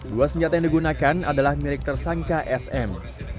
dua senjata yang digunakan adalah milik tersangka sm